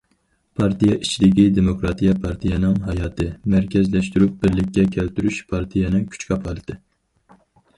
پارتىيە ئىچىدىكى دېموكراتىيە پارتىيەنىڭ ھاياتى، مەركەزلەشتۈرۈپ بىرلىككە كەلتۈرۈش پارتىيەنىڭ كۈچ كاپالىتى.